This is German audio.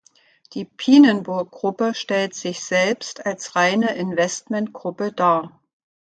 Die Pijnenburg-Gruppe stellt sich selbst als reine Investmentgruppe dar.